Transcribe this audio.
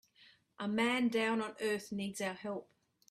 A man down on earth needs our help.